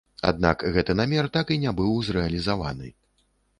Аднак гэты намер так і не быў зрэалізаваны.